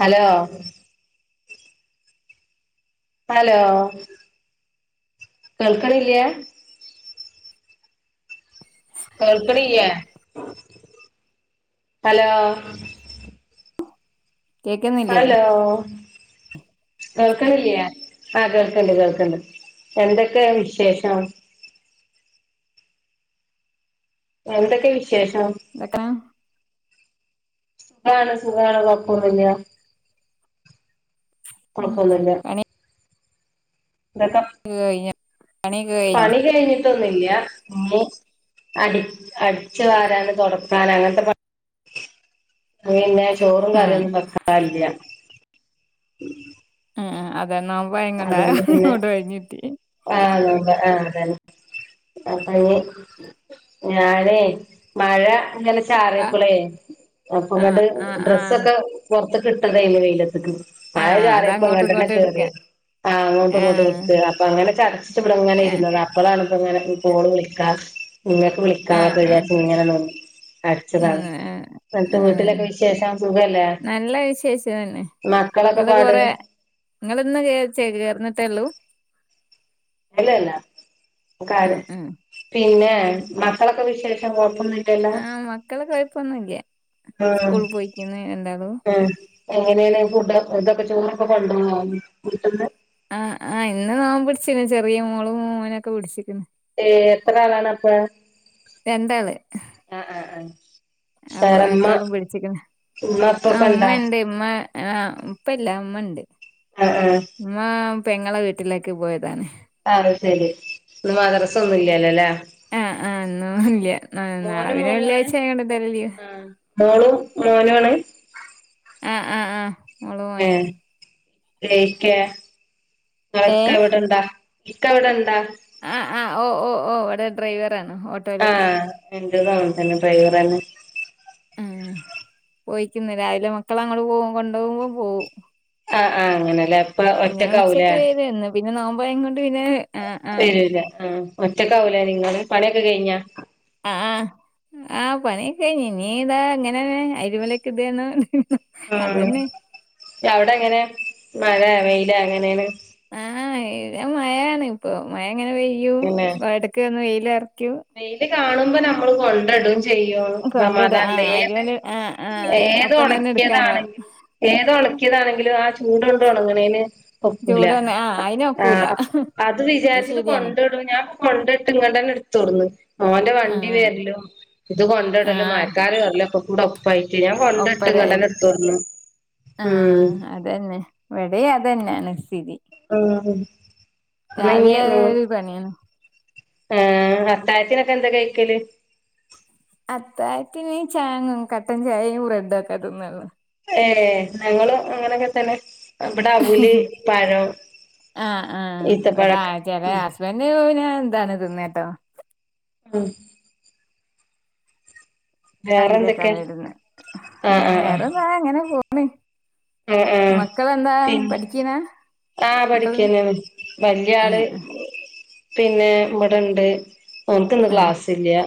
Hello hello കേൾക്കണ്ല്ല്യേ കേൾക്കണില്ലേ hello കേക്കുന്നില്ലേ ഹലോ കേൾക്കണില്ലേ ആ കേൾക്കണ്ട് കേൾക്കണ്ട് എന്തൊക്കെ വിശേഷം എന്തൊക്കെ വിശേഷം എത്ര ഖാന സുഖാണ് കോഴപ്പൊന്നില്ല ഉം കൊള്പ്പൊന്നുല്ല ന്തക്ക [unintelligible] പണിയൊക്കെ കഴിഞ്ഞോ പണി കയ്ഞ്ഞിട്ടൊന്നില്ല [unintelligible] അടി അടിച്ചു വാരാന് തുടക്കാന അങ്ങനത്തെ പ പിന്നെ ചോറും ആഹ് കറിയൊന്നും വെക്കറില്ല ആ അതെ നോമ്പായിങ്ങൊണ്ടാ അതുകൊണ്ട് പിന്നെ ങ്ങോട്ട് ഒഴിഞ്ഞിട്ടി ആ നോമ്പ ആ അതന്നെ അപ്പൊഞ്ഞ് ഞാനേ മഴങ്ങനെ ആഹ് ചാറിയപ്പളേ ആഹ് അപ്പൊങ്ങണ്ട് ആഹ് ആഹ് ഡ്രസ്സൊക്കെ പൊർത്ത്ക്ക്ട്ടതേന്നു വെയിലത്ക്ക് മഴ ആഹ് അത ചാറിയപ്പൊ അങ്ങോട്ടും ങ്ങണ്ടന്നെ ഇങ്ങോട്ടും കേറിയ എടുക്കാ ആഹ് അങ്ങോട്ടും ഇങ്ങോട്ടും ആഹ് ഉർട്ടാ അപ്പൊഅങ്ങനെ ചടച്ച് ഇവടെങ്ങനെ ആഹ് ഇര്ന്നതാണ്. അപ്പളാണ് പ്പഇങ്ങനെ ഫോൺ വിളിക്കാം നിങ്ങക്ക്‌ വിളിക്കാ വിചാരി ഇങ്ങനെനിന്ന് ന്ന് ഏഹ് ആഹ് വിശേഷം സുഖല്ലേ ന്നല്ലെ വിശേഷംതെന്നെ മക്കളൊക്കെ ഇങ്ങള് പാട് കൊറെ ഇങ്ങളിന്ന് കേ ചേർന്നിട്ടേള്ളൂ? അല്ലല്ല കാരം ആഹ് ആഹ് പിന്നെമക്കളൊക്കെ വിശേഷം കൊയപ്പൊന്നുല്ല ആഹ് മക്കള് കൊയപ്പൊന്നുംല്ല ആഹ് സ്കൂള് പോയ്ക്ക്ന്ന് രണ്ടാളും എങ്ങനെണ് ഫുഡ് ഇതൊക്കെ ചോറൊക്കെ കൊണ്ടൊവോവീട്ട്ന്ന്? ആഹ് ആഹ് ഇന്ന്ന്നോമ്പ്പിടിച്ക്ക്ണ് ചെറിയ മോളുംമൊനൊക്കെ പിടിച്ച്ക്ക്‌ണ് ഏത്ത് കാലാണ് അപ്പ? രണ്ടാള് ആഹ് ആഹ് ആഹ് അപ്പൊ വേറെമ്മ രണ്ടാളും പിട്ച്ച്ക്ക്‌ണ് ഉമ്മ ആ ഉപ്പക്കെണ്ടാ ഉമ്മണ്ട് ഉമ്മ ആഹ് ഇപ്പല്ല ഇമ്മണ്ട് അഹ് ആഹ് ഉമ്മ പെങ്ങളെ വീട്ടിലേക്ക്പോയതാണ് അഹ് സെരി ഇന്ന് മദ്രസൊന്നുല്ലല്ലോല്ലേ? ആഹ് ആഹ് ഇന്നോല്ല്യാ ഇന്നാളെ മോനും പിന്നെ മോളും ആണ് വെള്ളിയഴ്ച അയോണ്ട് എന്തായാലും ലീവ് ആഹ് മോളും മോനുആണ്? ആഹ് ആഹ് ആഹ ഏഹ് ഇക്കെ ഏ ഇങ്ങളെക്ക ഇവടെണ്ടോ? ഇക്കവടെ ഇണ്ടോ? ആഹ് ആഹ് ഓഹ് ഓഹ് ഒഹ് ഇവടെ ഡ്രൈവറാണ് ഓട്ട് ആഹ് ഇന്റെതും അങ്ങനെതെന്നെ ഡ്രൈവറെന്നെ ഉം പോയ്ക്ക്‌ന്ന് രാവിലെ മക്കളഅങ്ങട് പോയ്ക് കൊണ്ടോവുമ്പോപോവും. ആഹ് ആഹ് അങ്ങനെലേ? പിന്ന ഉച്ചയ്ക്ക് വേര്ന്ന് പിന്നെ നോമ്പയ് കൊണ്ട് പിന്നെ ആഹ്, ആഹ് ഇല്ല ആഹ് ഒറ്റക്കാവുലെ നിങ്ങളെ പണിയൊക്കെ കയ്ഞ്ഞാ? ആഹ് ആഹ് പണിയൊകയ്ഞ്ഞി ഇതാ ഇങ്ങനെ അയൽമലൊക്കെ ഇടേന്നു ഉം റ്റഅവിടെ എങ്ങനെ മയെ വെയ്ലോ എങ്ങനെണ്? ആഹ് ഇടെമയാണിപ്പൊ മയങ്ങനെ പെയ്യും എടക്ക് ഒന്ന് വെയിലറിക്കു വെയ്ല് കാണുമ്പോ നമ്മള് കൊണ്ട്ടും. ചെയ്യോ കൊണ്ടിട ആ സമാധാനംണ്ട് ഏത് അയലുമല് ആ ആ ഏത് അപ്പം തന്നെ എടുക്കാനാവും ഒണക്കിയതാണെങ്കിലും ഏത് ഒണക്കിയതാണെങ്കിലും ആ ചൂട്ണ്ട് ഒണങ്ങ്ണേന്ഒക്കൂല ചൂട് വന്ന ആ അയിനൊക്കൂല ആഹ് അത് വിചാരിച്ചിട്ട് കൊണ്ട്ഇടു ഞാൻപ്പോ കൊണ്ടിട്ട് ഇങ്ങോണ്ടന്നെ ഇട്ത്തോട്ന്ന്. ഓന്റെ ആ വണ്ടിവെര്ല്ലും ഇത് ആ കൊണ്ടടലും മയക്കാർ വേരെലും ഒക്കെകൂടെ ഒപ്പായിട്ട് ഞാൻ കൊണ്ടട്ട് ഇങ്ങട്ടെന്നെ ഇട്ത്ത് കൊട്ന്നു. ആഹ് അതെന്നെ ഇവടിം അതെന്നെണ് സ്ഥിതി. ആഹ് അന്നഞ്ഞി രാവിലെ ന്നു ഒരു പണിയാണ് ആഹ് അത്തായത്തിനൊക്കെ എന്താ കയ്ക്കല്? അത്താത്തിന് ചാങ്ങും കട്ടൻചായിം ബ്രെഡൊക്കെ തിന്നല്. ഏഹ് ഞങ്ങളും അങ്ങനെയൊക്കെതെന്നെ. ഇബടെ അവുല് പഴം, ഈത്തപയൊക്കെ ഉം ഇവന്പിന്നെ എന്താണ്തിന്നട്ടോ? ഉം വേറെ എന്തൊക്കെ അവിലൊക്കാണ് ഇടുന്നേ ആഹ് ആഹ് ആഹ് വേറെന്താ ഇങ്ങനെപോണ്. ആഹ് ആഹ് മക്കളെന്താ പിന്നെ പഠിക്കീനെ? ആഹ് പഠിക്കെന്നെണ് വല്യആള് ആഹ് പിന്നെ ഇവടെണ്ട് ഓന്ക്ക്ഇന്ന് ആഹ് ക്ലാസ്സ് ഇല്ല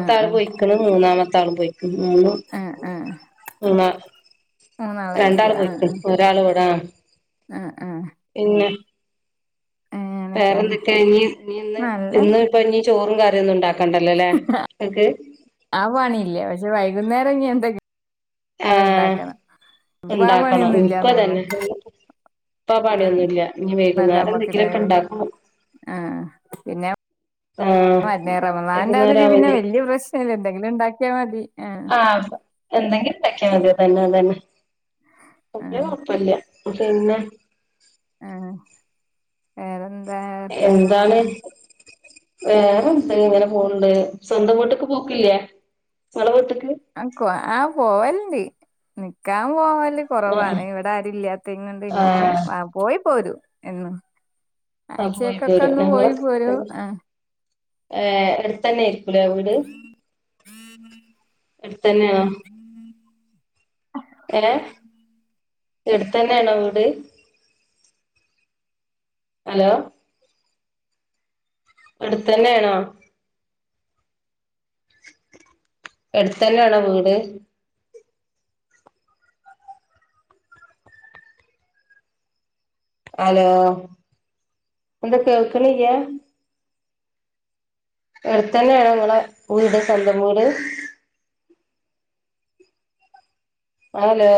ആഹ് ആഹ് പോയ്ക്ക്‌ണ്. മൂന്നാമത്തെആളും പോയ്ക്ക്‌ണ് മൂന്നു ആഹ് ആഹ് ഇല്ല രണ്ടാൾ മൂന്നാളായിരിക്കും ആഹ് പോയിക്ക്ണ് ഒരാള് ഇവിടെ. ആഹ് ആഹ് ഇല്ല. അങ്ങനൊക്കെയാണ് വേറെന്തൊക്കെ ഇനി ഇനി ഇന്ന് നല്ല ഇന്ന് ഇപ്പ ഇനി ചോറും കറിയൊന്നും ഇണ്ടാക്കണ്ടല്ലോല്ലേ ഇങ്ങക്ക്. ആ പണിയില്ല പക്ഷെ വൈകുന്നേരം ഇനി എന്തൊക്കെയ? ആഹ് ഇപ്പൊ ആ ഇണ്ടാക്കണം പണിയൊന്നും ഇനിക്കും ഇല്ലാന്നേ ഉള്ളു അതന്നെ. ഇപ്പാ പണിയൊന്നുല്ല ഇനി നല്ല വൈകുന്നേരം എന്തെങ്കിലൊക്കെ അമ്മക്കിതായത് ഉണ്ടാക്ക. ആഹ് പിന്നെ. ആഹ് [unintelligible] വൈകുന്നേരം റമളാനറ്റാതില് ആവും പിന്നെ ഇനി വല്യ പ്രശ്നം ഇല്ല എന്തെങ്കിലും ഉണ്ടാക്കിയാ മതി ആ ആഹ് എന്തെങ്കിലും ഉണ്ടാക്കിയാൽ മതി അതന്നെ അതന്നെ വല്യ ആഹ് കുഴപ്പില്ല പിന്നെ. ആഹ് വേറെന്താ? വർത്താനം എന്താണ് വേറെന്ത ഇങ്ങനെ പോണ്ട്. സ്വന്തം വീട്ക്ക് പോക്കില്ലേ? ഇങ്ങള വീട്ക്ക്. ആഹ് ആഹ് പോവല്ണ്ട് നിക്കാൻ പോവല്. ആഹ് കുറവാണ് ഇവിടെ ആരുല്ലാത്തെയ്ൻ കൊണ്ട് ഇനി പിന്നെ ആഹ് പോയി പോരും എന്നും. ആഹ് പോയി പോരും ആയ്ച്ചേക്കൊക്കെന്ന് ഞങ്ങള് പോയി പോരും ആ ഏഹ് എടുത്തന്നെ ആയിരിക്കൂലേ വീട്? എടുത്തന്നെയാണോ? ഏഹ് എടുത്തന്നെണോ വീട്? ഹലോ. എടുത്തന്നെണോ? എടുത്തന്നെണോ വീട്? ഹലോ എന്താ കേൾക്ക്ണിലാ? എടുത്തന്നെയാണോ ങ്ങളെ വീട് സ്വന്തം വീട്? ഹലോ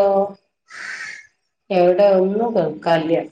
എവിടെ ഒന്നും കേൾ കാല്യാ?